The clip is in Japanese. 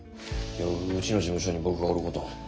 うちの事務所に僕がおること。